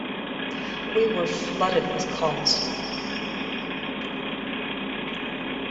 We were flooded with calls.